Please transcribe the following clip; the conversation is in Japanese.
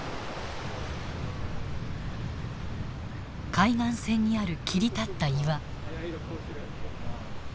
海岸線にある切り立った岩。